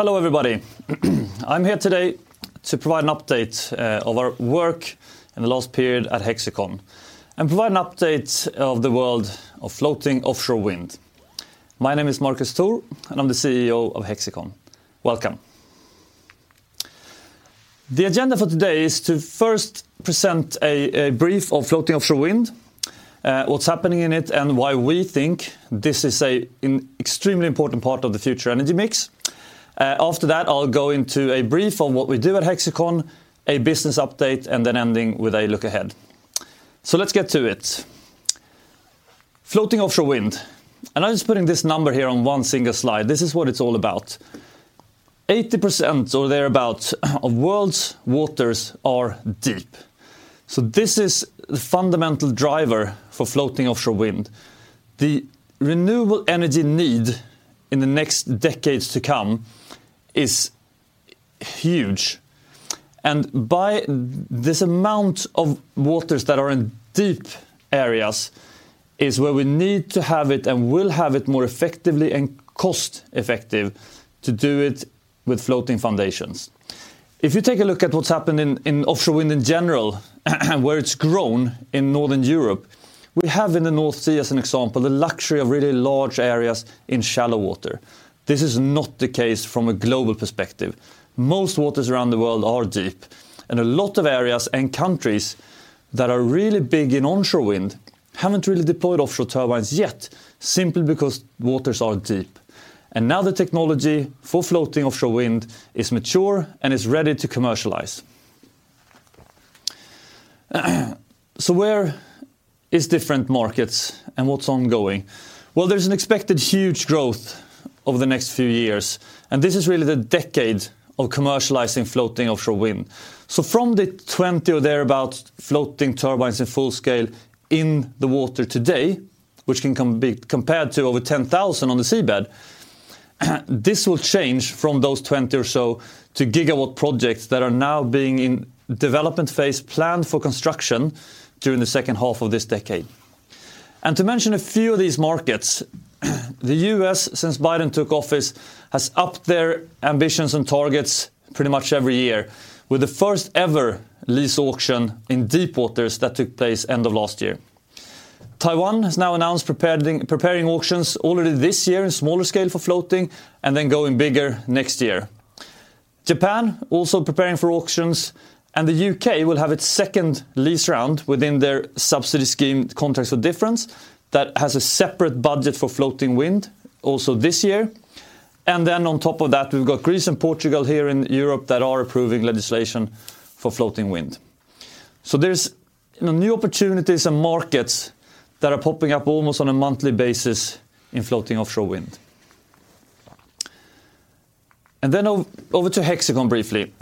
Hello, everybody. I'm here today to provide an update of our work in the last period at Hexicon, and provide an update of the world of floating offshore wind. My name is Marcus Thor, and I'm the CEO of Hexicon. Welcome. The agenda for today is to first present a brief of floating offshore wind, what's happening in it, and why we think this is an extremely important part of the future energy mix. After that, I'll go into a brief on what we do at Hexicon, a business update, and then ending with a look ahead. Let's get to it. Floating offshore wind, and I'm just putting this number here on one single slide. This is what it's all about. Eighty percent or thereabout of world's waters are deep. This is the fundamental driver for floating offshore wind. The renewable energy need in the next decades to come is huge. By this amount of waters that are in deep areas is where we need to have it and will have it more effectively and cost-effective to do it with floating foundations. If you take a look at what's happened in offshore wind in general, where it's grown in Northern Europe, we have in the North Sea, as an example, the luxury of really large areas in shallow water. This is not the case from a global perspective. Most waters around the world are deep. A lot of areas and countries that are really big in onshore wind haven't really deployed offshore turbines yet, simply because waters are deep. Now the technology for floating offshore wind is mature and is ready to commercialize. Where is different markets and what's ongoing? There's an expected huge growth over the next few years, and this is really the decade of commercializing floating offshore wind. From the 20 or thereabout floating turbines in full scale in the water today, which can be compared to over 10,000 on the seabed, this will change from those 20 or so to gigawatt projects that are now being in development phase, planned for construction during the second half of this decade. To mention a few of these markets, the U.S., since Biden took office, has upped their ambitions and targets pretty much every year, with the first ever lease auction in deep waters that took place end of last year. Taiwan has now announced preparing auctions already this year, in smaller scale for floating, and then going bigger next year. Japan, also preparing for auctions. The U.K. will have its second lease round within their subsidy scheme, Contracts for Difference, that has a separate budget for floating wind also this year. On top of that, we've got Greece and Portugal here in Europe that are approving legislation for floating wind. There's, you know, new opportunities and markets that are popping up almost on a monthly basis in floating offshore wind. Over to Hexicon briefly.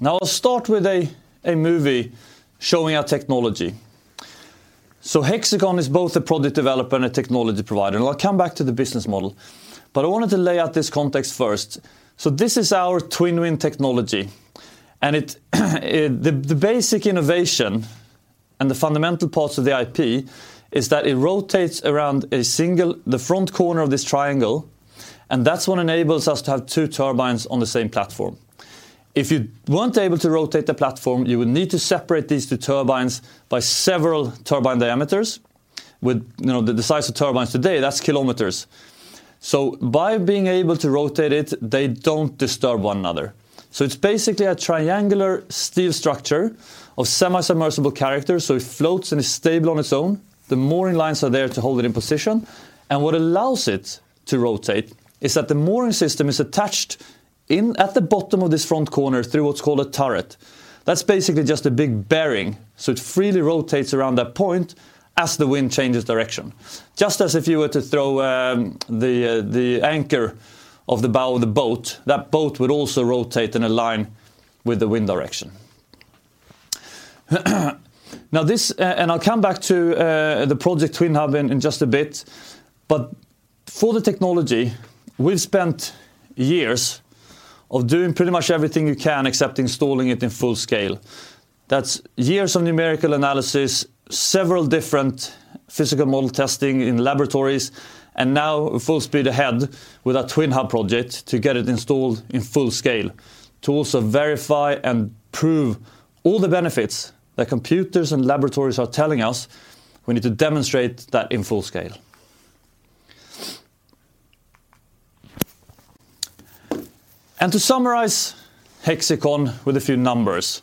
Now, I'll start with a movie showing our technology. Hexicon is both a project developer and a technology provider. I'll come back to the business model. I wanted to lay out this context first. This is our TwinWind technology, and it, the basic innovation and the fundamental parts of the IP is that it rotates around a single—the front corner of this triangle, and that's what enables us to have two turbines on the same platform. If you weren't able to rotate the platform, you would need to separate these two turbines by several turbine diameters. With, you know, the decisive turbines today, that's kilometers. By being able to rotate it, they don't disturb one another. It's basically a triangular steel structure of semi-submersible character, so it floats and is stable on its own. The mooring lines are there to hold it in position. What allows it to rotate is that the mooring system is attached at the bottom of this front corner through what's called a turret. That's basically just a big bearing, so it freely rotates around that point as the wind changes direction. Just as if you were to throw the anchor of the bow of the boat, that boat would also rotate and align with the wind direction. Now, this. I'll come back to the project TwinHub in just a bit, but for the technology, we've spent years of doing pretty much everything you can except installing it in full scale. That's years of numerical analysis, several different physical model testing in laboratories, and now full speed ahead with our TwinHub project to get it installed in full scale. To also verify and prove all the benefits that computers and laboratories are telling us, we need to demonstrate that in full scale. To summarize Hexicon with a few numbers,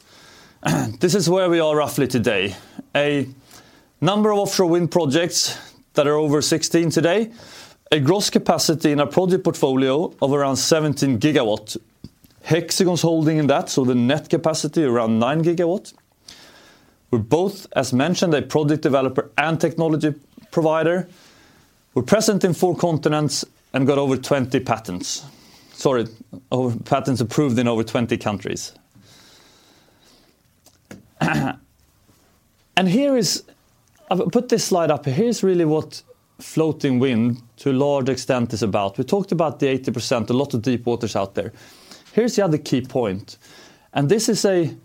this is where we are roughly today. A number of offshore wind projects that are over 16 today, a gross capacity in our project portfolio of around 17 GW. Hexicon's holding in that, so the net capacity around 9 GW. We're both, as mentioned, a project developer and technology provider. We're present in four continents and got over 20 patents. Sorry, patents approved in over 20 countries. I've put this slide up. Here's really what floating wind, to a large extent, is about. We talked about the 80%, a lot of deep waters out there. Here's the other key point, and this is a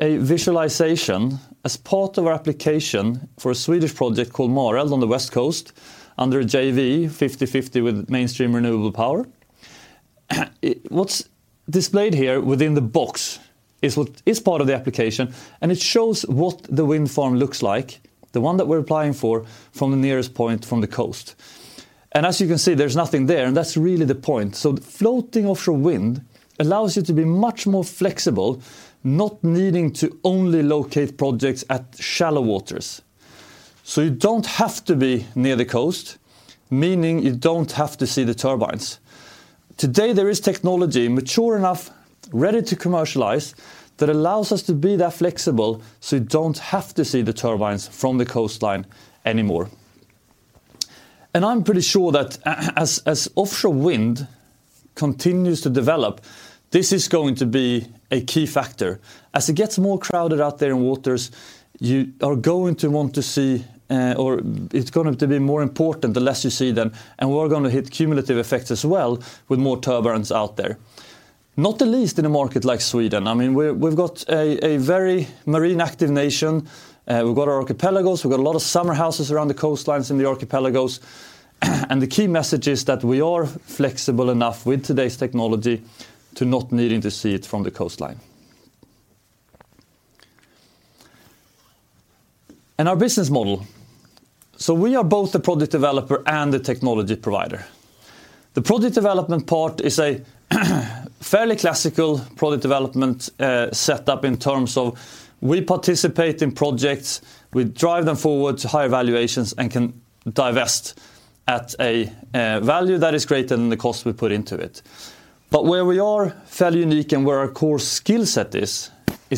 visualization as part of our application for a Swedish project called Mareld on the West Coast under JV, 50/50 with Mainstream Renewable Power. What's displayed here within the box is part of the application, and it shows what the wind farm looks like, the one that we're applying for from the nearest point from the coast. As you can see, there's nothing there, and that's really the point. Floating offshore wind allows you to be much more flexible, not needing to only locate projects at shallow waters. You don't have to be near the coast, meaning you don't have to see the turbines. Today, there is technology mature enough, ready to commercialize, that allows us to be that flexible, so you don't have to see the turbines from the coastline anymore. I'm pretty sure that as offshore wind continues to develop, this is going to be a key factor. As it gets more crowded out there in waters, you are going to want to see, or it's going to be more important, the less you see them, and we're gonna hit cumulative effects as well with more turbulence out there. Not the least in a market like Sweden. I mean, we've got a very marine-active nation, we've got our archipelagos, we've got a lot of summer houses around the coastlines in the archipelagos, and the key message is that we are flexible enough with today's technology to not needing to see it from the coastline. Our business model. We are both the project developer and the technology provider. The project development part is a fairly classical product development set up in terms of we participate in projects, we drive them forward to higher valuations, and can divest at a value that is greater than the cost we put into it. Where we are fairly unique and where our core skill set is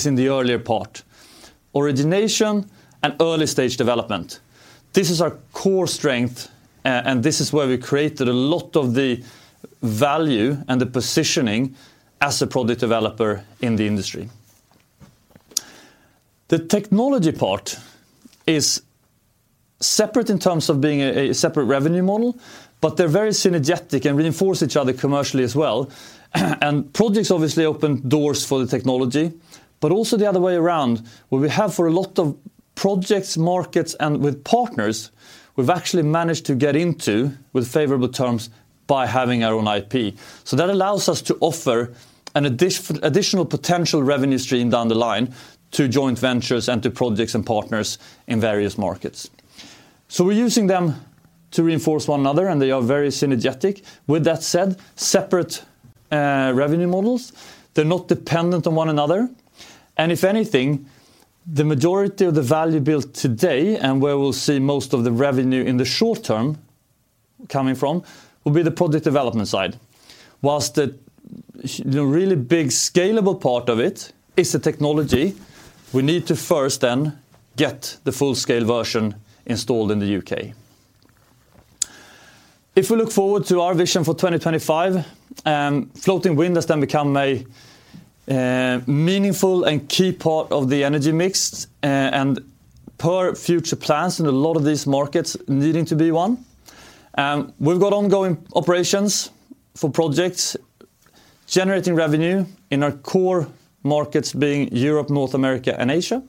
in the earlier part, origination and early stage development. This is our core strength, and this is where we created a lot of the value and the positioning as a project developer in the industry. The technology part is separate in terms of being a separate revenue model, but they're very synergetic and reinforce each other commercially as well. Projects obviously open doors for the technology, but also the other way around, where we have for a lot of projects, markets, and with partners, we've actually managed to get into, with favorable terms, by having our own IP. That allows us to offer an additional potential revenue stream down the line to joint ventures and to projects and partners in various markets. We're using them to reinforce one another, and they are very synergetic. With that said, separate revenue models, they're not dependent on one another. If anything, the majority of the value built today and where we'll see most of the revenue in the short term coming from, will be the project development side. Whilst the really big scalable part of it is the technology, we need to first then get the full-scale version installed in the U.K. We look forward to our vision for 2025, floating wind has then become a meaningful and key part of the energy mix, per future plans in a lot of these markets needing to be one. We've got ongoing operations for projects, generating revenue in our core markets being Europe, North America, and Asia.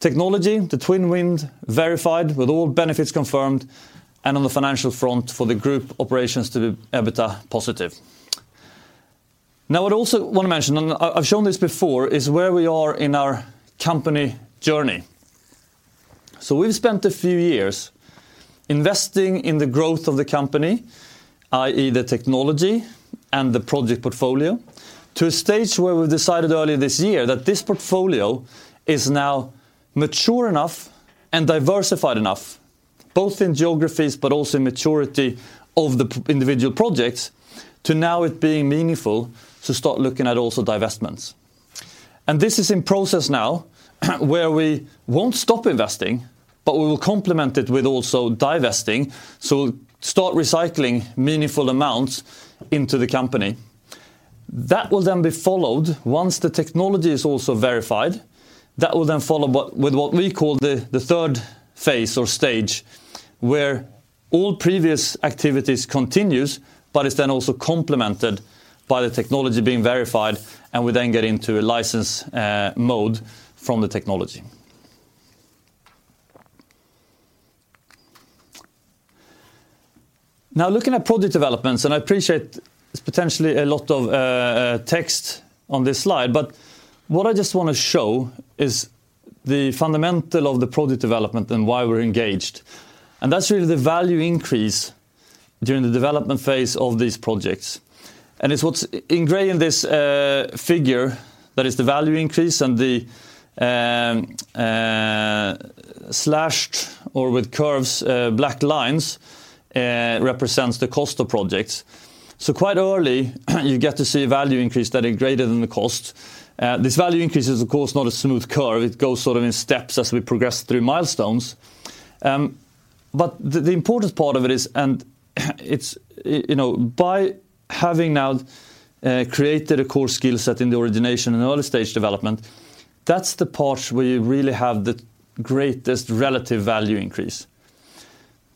Technology, the TwinWind, verified, with all benefits confirmed, on the financial front for the group operations to be EBITDA-positive. What I also want to mention, I've shown this before, is where we are in our company journey. We've spent a few years investing in the growth of the company, i.e., the technology and the project portfolio, to a stage where we decided earlier this year that this portfolio is now mature enough and diversified enough, both in geographies but also in maturity of the individual projects, to now it being meaningful to start looking at also divestments. This is in process now, where we won't stop investing, but we will complement it with also divesting, start recycling meaningful amounts into the company. That will then be followed, once the technology is also verified, that will then follow what we call the third phase or stage, where all previous activities continues, but it's then also complemented by the technology being verified, and we then get into a license mode from the technology. Looking at project developments, I appreciate it's potentially a lot of text on this slide, but what I just want to show is the fundamental of the project development and why we're engaged. That's really the value increase during the development phase of these projects. It's what's in gray in this figure, that is the value increase and the slashed or with curves, black lines, represents the cost of projects. Quite early, you get to see a value increase that is greater than the cost. This value increase is, of course, not a smooth curve. It goes sort of in steps as we progress through milestones. The, the important part of it is, and, it's, you know, by having now, created a core skill set in the origination and early stage development, that's the part where you really have the greatest relative value increase.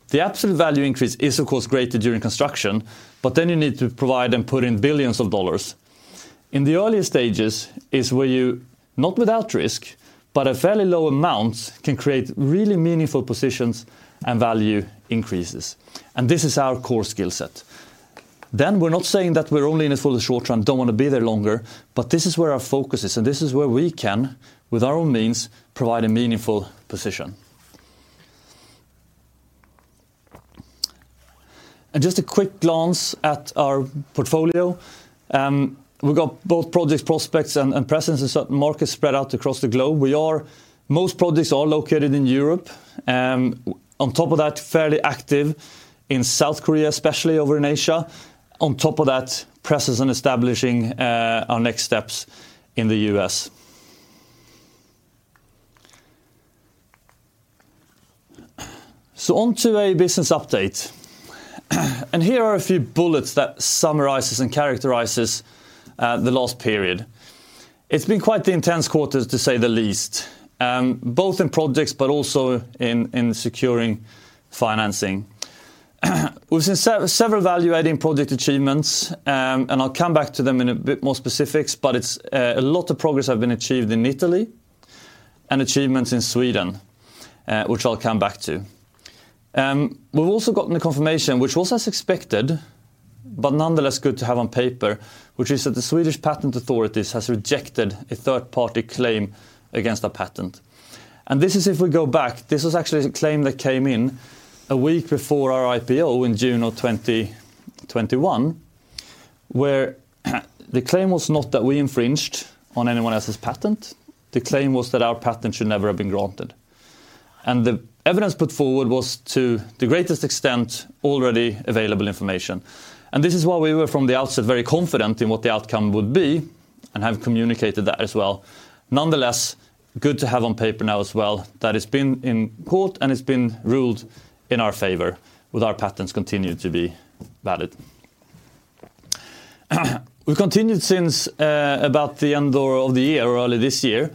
The absolute value increase is, of course, greater during construction, but then you need to provide and put in billions of dollars. In the early stages is where you, not without risk, but a fairly low amount can create really meaningful positions and value increases, and this is our core skill set. We're not saying that we're only in it for the short term, don't wanna be there longer, but this is where our focus is, and this is where we can, with our own means, provide a meaningful position. Just a quick glance at our portfolio. We've got both project prospects and presence in certain markets spread out across the globe. Most projects are located in Europe, on top of that, fairly active in South Korea, especially over in Asia. On top of that, presence and establishing our next steps in the U.S. On to a business update. Here are a few bullets that summarizes and characterizes the last period. It's been quite the intense quarters, to say the least, both in projects, but also in securing financing. We've seen several value-adding project achievements, and I'll come back to them in a bit more specifics, but it's a lot of progress have been achieved in Italy and achievements in Sweden, which I'll come back to. We've also gotten a confirmation, which was as expected, but nonetheless good to have on paper, which is that the Swedish Patent Office has rejected a third-party claim against our patent. This is if we go back, this was actually a claim that came in a week before our IPO in June of 2021, where the claim was not that we infringed on anyone else's patent. The claim was that our patent should never have been granted. The evidence put forward was, to the greatest extent, already available information. This is why we were, from the outset, very confident in what the outcome would be and have communicated that as well. Nonetheless, good to have on paper now as well, that it's been in court and it's been ruled in our favor, with our patents continued to be valid. We've continued since about the end of the year or early this year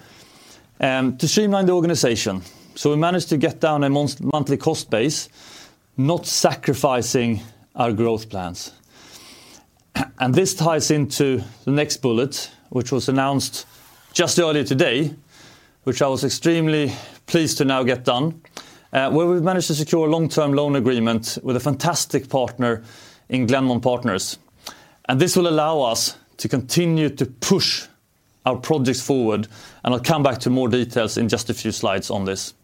to streamline the organization. We managed to get down a monthly cost base, not sacrificing our growth plans. This ties into the next bullet, which was announced just earlier today, which I was extremely pleased to now get done, where we've managed to secure a long-term loan agreement with a fantastic partner in Glennmont Partners. This will allow us to continue to push our projects forward, and I'll come back to more details in just a few slides on this.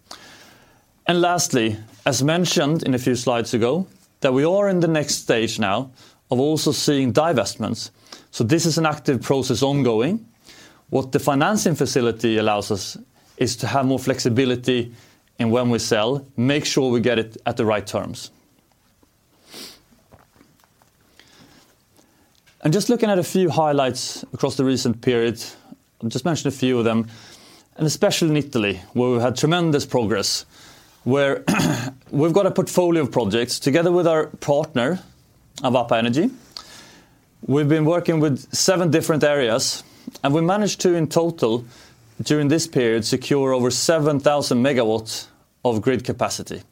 Lastly, as mentioned in a few slides ago, that we are in the next stage now of also seeing divestments. This is an active process ongoing. What the financing facility allows us is to have more flexibility, in when we sell, make sure we get it at the right terms. Just looking at a few highlights across the recent period, I'll just mention a few of them, especially in Italy, where we've had tremendous progress, where we've got a portfolio of projects together with our partner, Avapa Energy. We've been working with seven different areas, we managed to, in total, during this period, secure over 7,000 MW of grid capacity.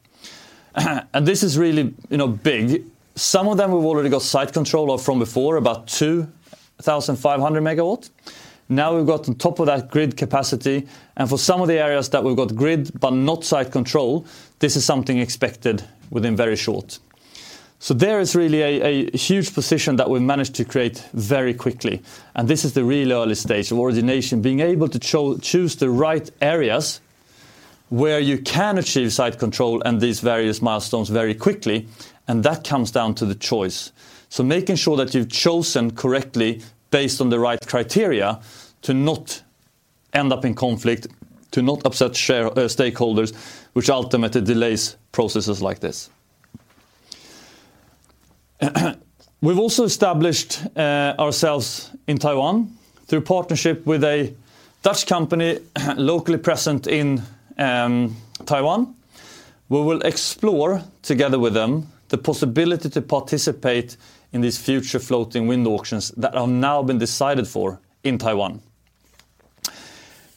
This is really, you know, big. Some of them, we've already got site control of from before, about 2,500 MW. Now, we've got on top of that grid capacity, for some of the areas that we've got grid but not site control, this is something expected within very short. There is really a huge position that we've managed to create very quickly, and this is the really early stage of origination, being able to choose the right areas where you can achieve site control and these various milestones very quickly, and that comes down to the choice. Making sure that you've chosen correctly based on the right criteria to not end up in conflict, to not upset share stakeholders, which ultimately delays processes like this. We've also established ourselves in Taiwan through a partnership with a Dutch company, locally present in Taiwan. We will explore, together with them, the possibility to participate in these future floating wind auctions that are now been decided for in Taiwan.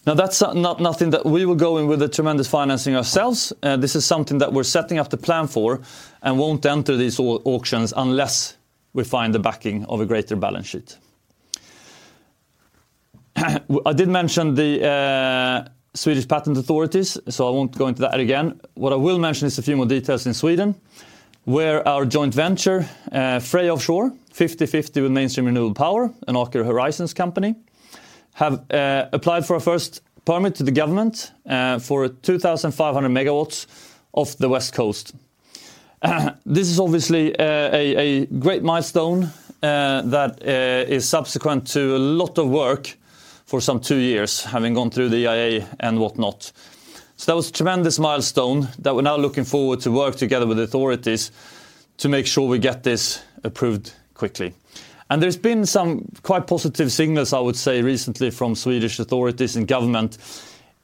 Now, that's nothing that we will go in with a tremendous financing ourselves. This is something that we're setting up the plan for and won't enter these auctions unless we find the backing of a greater balance sheet. I did mention the Swedish Patent Office, so I won't go into that again. What I will mention is a few more details in Sweden, where our joint venture, Freja Offshore, 50/50 with Mainstream Renewable Power, an Aker Horizons company, have applied for a first permit to the government for 2,500 MW off the West Coast. This is obviously a great milestone that is subsequent to a lot of work for some two years, having gone through the EIA and whatnot. That was a tremendous milestone that we're now looking forward to work together with authorities to make sure we get this approved quickly. There's been some quite positive signals, I would say, recently from Swedish authorities and government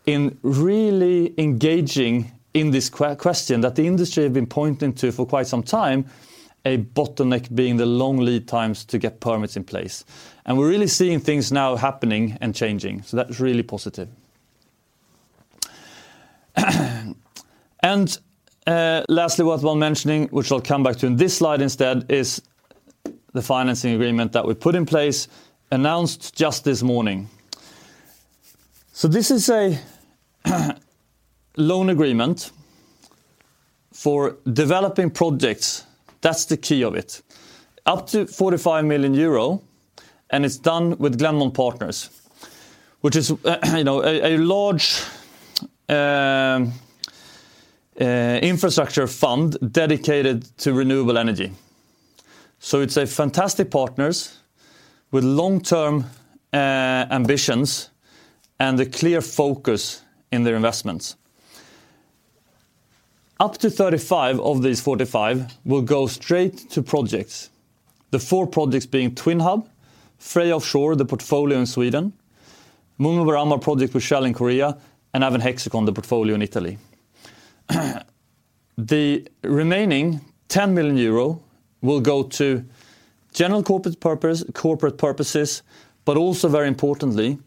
in really engaging in this question that the industry have been pointing to for quite some time, a bottleneck being the long lead times to get permits in place. We're really seeing things now happening and changing, so that's really positive. Lastly, worth well mentioning, which I'll come back to in this slide instead, is the financing agreement that we put in place, announced just this morning. This is a loan agreement for developing projects. That's the key of it. Up to 45 million euro, and it's done with Glennmont Partners, which is, you know, a large infrastructure fund dedicated to renewable energy. It's a fantastic partners with long-term ambitions and a clear focus in their investments. Up to 35 million of these 45 million will go straight to projects. The four projects being TwinHub, Freja Offshore, the portfolio in Sweden, MunmuBaram project with Shell in Korea, and having Hexicon, the portfolio in Italy. The remaining 10 million euro will go to general corporate purposes, but also, very importantly,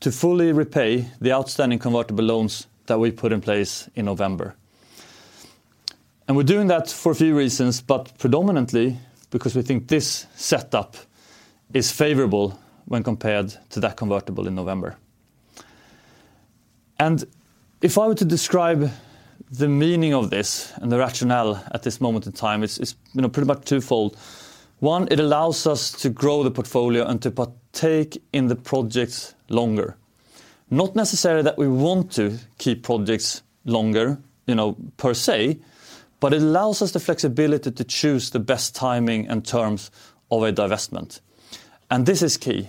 to fully repay the outstanding convertible loans that we put in place in November. We're doing that for a few reasons, but predominantly because we think this setup is favorable when compared to that convertible in November. If I were to describe the meaning of this and the rationale at this moment in time, it's, you know, pretty much twofold. One, it allows us to grow the portfolio and to partake in the projects longer. Not necessarily that we want to keep projects longer, you know, per se, but it allows us the flexibility to choose the best timing and terms of a divestment. This is key.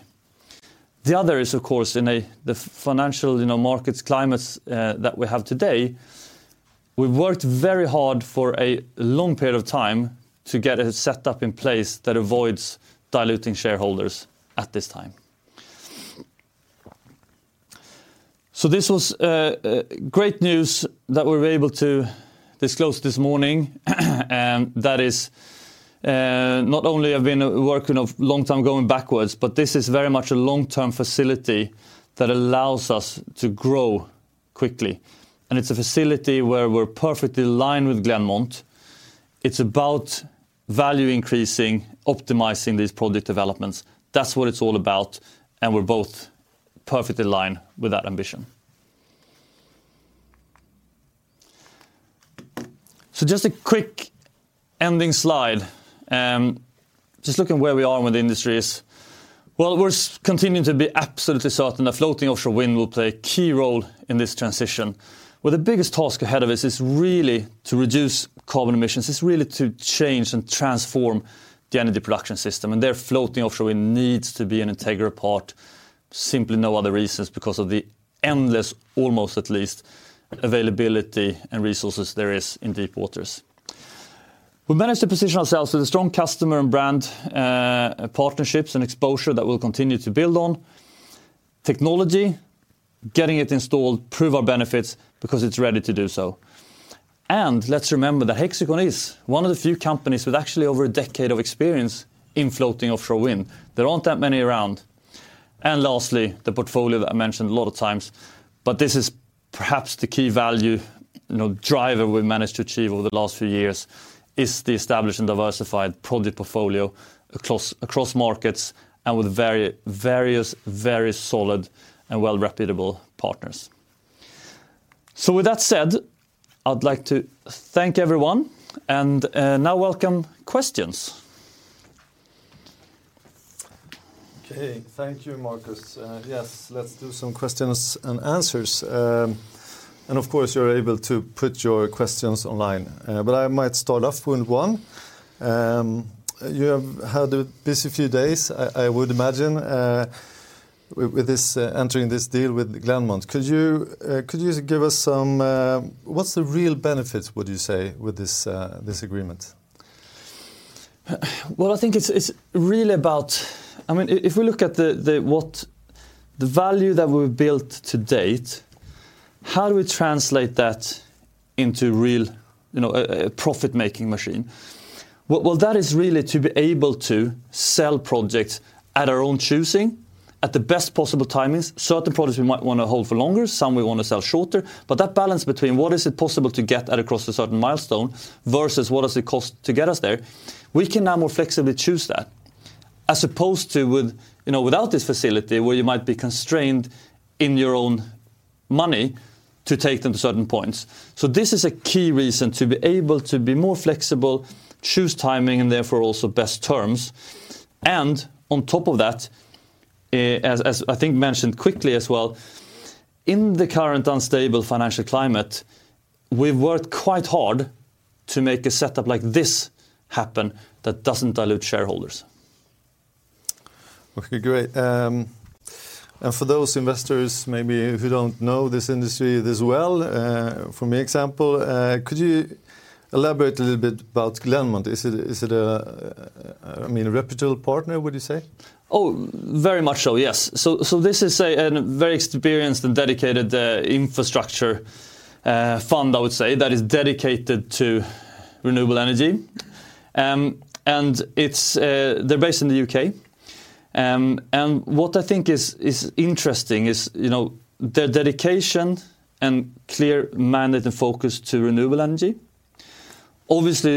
The other is, of course, in the financial, you know, markets climates that we have today, we've worked very hard for a long period of time to get a set up in place that avoids diluting shareholders at this time. This was great news that we were able to disclose this morning, that is not only have been working of long time going backwards, but this is very much a long-term facility that allows us to grow quickly. It's a facility where we're perfectly in line with Glennmont. It's about value increasing, optimizing these project developments. That's what it's all about, and we're both perfectly in line with that ambition. Just a quick ending slide. Just looking where we are and where the industry is. We're continuing to be absolutely certain that floating offshore wind will play a key role in this transition, where the biggest task ahead of us is really to reduce carbon emissions, is really to change and transform the energy production system. Their floating offshore wind needs to be an integral part. Simply no other reasons, because of the endless, almost at least, availability and resources there is in deep waters. We managed to position ourselves with a strong customer and brand, partnerships and exposure that we'll continue to build on. Technology, getting it installed, prove our benefits because it's ready to do so. Let's remember, that Hexicon is one of the few companies with actually over a decade of experience in floating offshore wind. There aren't that many around. Lastly, the portfolio that I mentioned a lot of times, but this is perhaps the key value, you know, driver we managed to achieve over the last few years, is the established and diversified project portfolio across markets and with various, very solid and well-reputable partners. With that said, I'd like to thank everyone and now welcome questions. Okay. Thank you, Marcus. Yes, let's do some questions and answers. Of course, you're able to put your questions online. I might start off with one. You have had a busy few days, I would imagine, with this, entering this deal with Glennmont Partners. Could you give us some. What's the real benefits, would you say, with this agreement? Well, I think it's really about I mean, if we look at the value that we've built to date, how do we translate that into real, you know, a profit-making machine? Well, that is really to be able to sell projects at our own choosing, at the best possible timings. Certain projects we might want to hold for longer, some we want to sell shorter, but that balance between what is it possible to get at across a certain milestone versus what does it cost to get us there, we can now more flexibly choose that, as opposed to with, you know, without this facility, where you might be constrained in your own money to take them to certain points. This is a key reason to be able to be more flexible, choose timing, and therefore, also best terms. On top of that, as I think mentioned quickly as well, in the current unstable financial climate, we've worked quite hard to make a setup like this happen that doesn't dilute shareholders. Okay, great. For those investors, maybe if you don't know this industry this well, for example, could you elaborate a little bit about Glennmont? Is it a, I mean, a reputable partner, would you say? Oh, very much so, yes. This is a very experienced and dedicated infrastructure fund, I would say, that is dedicated to renewable energy. They're based in the U.K. What I think is interesting is, you know, their dedication and clear mandate and focus to renewable energy. Obviously,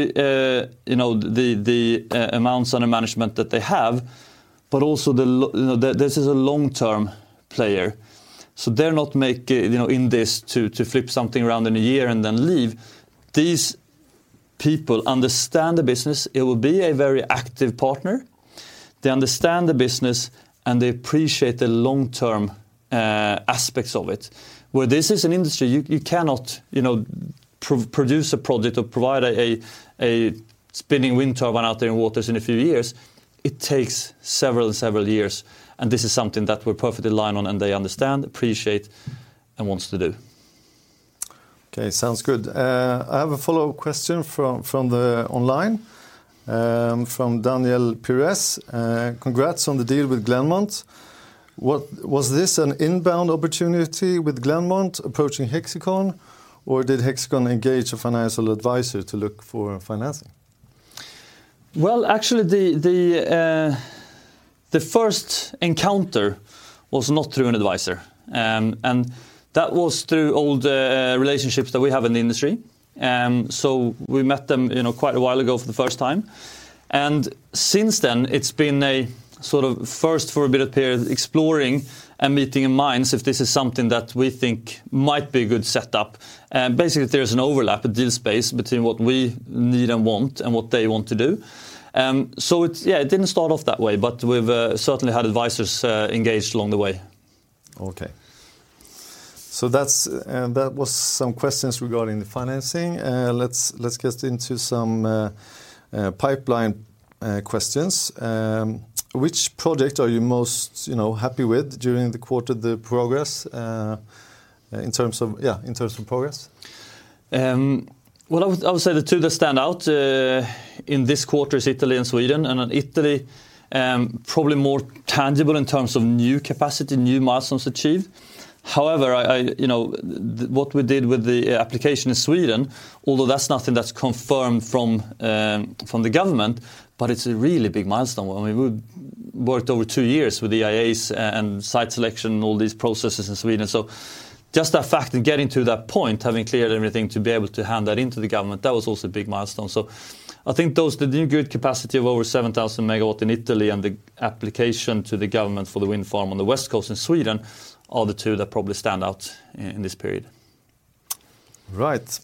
you know, the amounts under management that they have, but also the you know, this is a long-term player, so they're not making, you know, in this to flip something around in a year and then leave. These people understand the business. It will be a very active partner. They understand the business, and they appreciate the long-term aspects of it. Well, this is an industry, you cannot, you know, produce a project or provide a spinning wind turbine out there in waters in a few years. It takes several and several years. This is something that we're perfectly aligned on. They understand, appreciate, and wants to do. Okay, sounds good. I have a follow-up question from the online, from Daniel Pyres. "Congrats on the deal with Glennmont. Was this an inbound opportunity with Glennmont approaching Hexicon, or did Hexicon engage a financial advisor to look for financing? Well, actually, the first encounter was not through an advisor, that was through all the relationships that we have in the industry. We met them, you know, quite a while ago for the first time, and since then, it's been a sort of first for a bit of period, exploring and meeting in minds if this is something that we think might be a good setup. Basically, there's an overlap, a deal space between what we need and want and what they want to do. Yeah, it didn't start off that way, but we've certainly had advisors engaged along the way. Okay. That was some questions regarding the financing. Let's get into some pipeline questions. Which project are you most, you know, happy with during the quarter, the progress, in terms of progress? Well, I would say the two that stand out in this quarter is Italy and Sweden, and in Italy, probably more tangible in terms of new capacity, new milestones achieved. However, you know, what we did with the application in Sweden, although that's nothing that's confirmed from the government, but it's a really big milestone. I mean, we worked over two years with the EIA and site selection, all these processes in Sweden. Just that fact of getting to that point, having cleared everything to be able to hand that into the government, that was also a big milestone. I think those, the new grid capacity of over 7,000 MW in Italy and the application to the government for the wind farm on the west coast in Sweden, are the two that probably stand out in this period. Right.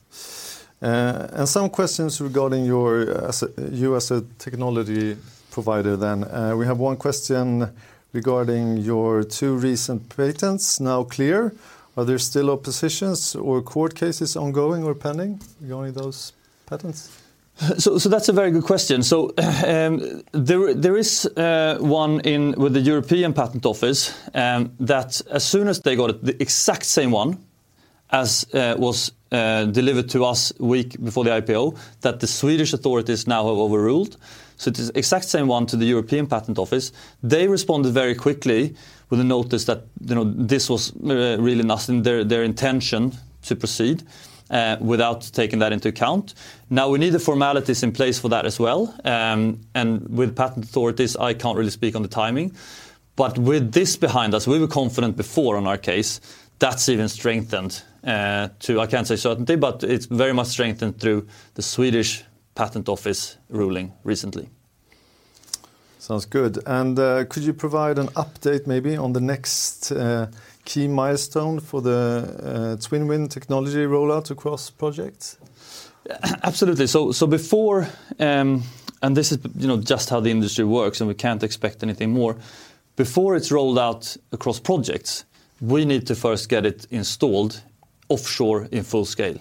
Some questions regarding you as a technology provider, then. We have one question regarding your two recent patents now clear. Are there still oppositions or court cases ongoing or pending regarding those patents? That's a very good question. There is one in with the European Patent Office that as soon as they got it, the exact same one as was delivered to us a week before the IPO, that the Swedish authorities now have overruled. It is the exact same one to the European Patent Office. They responded very quickly with a notice that, you know, this was really not in their intention to proceed without taking that into account. Now, we need the formalities in place for that as well, and with patent authorities, I can't really speak on the timing, but with this behind us, we were confident before on our case. That's even strengthened to, I can't say certainty, but it's very much strengthened through the Swedish Patent Office ruling recently. Sounds good. Could you provide an update maybe on the next key milestone for the TwinWind technology rollout across projects? Absolutely. Before, this is, you know, just how the industry works, and we can't expect anything more. Before it's rolled out across projects, we need to first get it installed offshore in full scale.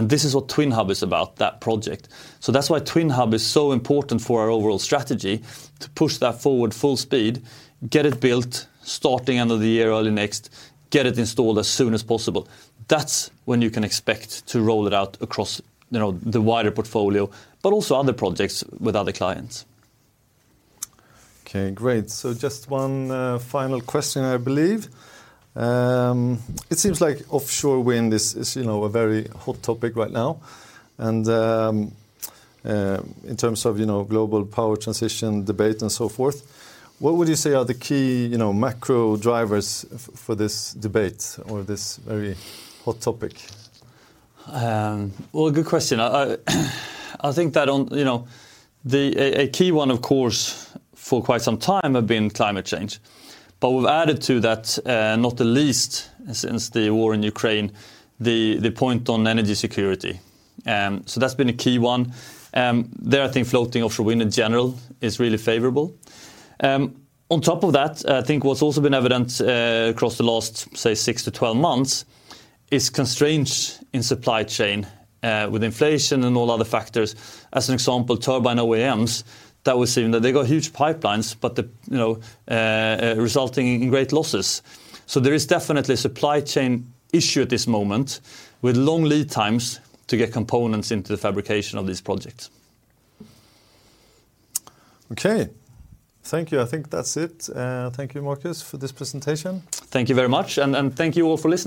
This is what TwinHub is about, that project. That's why TwinHub is so important for our overall strategy to push that forward full speed, get it built, starting end of the year, early next, get it installed as soon as possible. That's when you can expect to roll it out across, you know, the wider portfolio, but also other projects with other clients. Okay, great. Just one final question, I believe. It seems like offshore wind is, you know, a very hot topic right now, and in terms of, you know, global power transition debate and so forth, what would you say are the key, you know, macro drivers for this debate or this very hot topic? Well, a good question. I think that on, you know, a key one, of course, for quite some time have been climate change, but we've added to that, not the least, since the war in Ukraine, the point on energy security. That's been a key one. There, I think floating offshore wind in general is really favorable. On top of that, I think what's also been evident, across the last, say, six to 12 months, is constraints in supply chain, with inflation and all other factors. As an example, turbine OEMs, that we're seeing that they got huge pipelines, but, you know, resulting in great losses. There is definitely supply chain issue at this moment, with long lead times to get components into the fabrication of these projects. Okay, thank you. I think that's it. Thank you, Marcus, for this presentation. Thank you very much, and thank you all for listening.